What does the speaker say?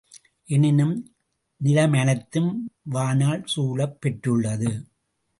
எனினும், நிலமனைத்தும் வானால் சூழப்பெற்றுள்ளது.